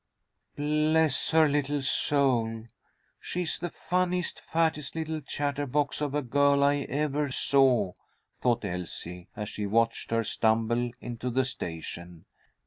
"Bless her little soul, she's the funniest, fattest little chatterbox of a girl I ever saw," thought Elsie, as she watched her stumble into the station.